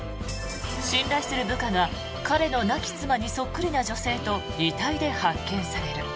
信頼する部下が彼の亡き妻にそっくりな女性と遺体で発見される。